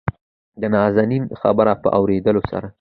دنازنين خبرو په اورېدلو سره